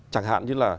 chẳng hạn như là